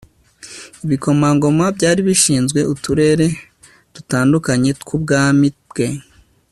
Ibikomangoma byari bishinzwe uturere dutandukanye twubwami bwe